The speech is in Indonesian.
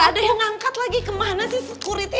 gak ada yang angkat lagi kemana sih security